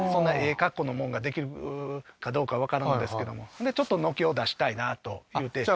格好のもんができるかどうかわからないんですけどもでちょっと軒を出したいなというてじゃあ